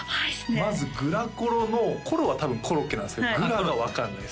まずグラコロの「コロ」は多分「コロッケ」なんですけど「グラ」が分かんないです